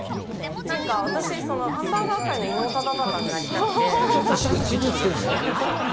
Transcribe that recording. なんか私、ハンバーガー界の伊能忠敬になりたくって。